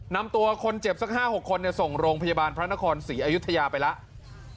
นำตัวคนเจ็บสัก๕๖คนส่งโรงพยาบาลพระนครศรีอยุธยาไปแล้ว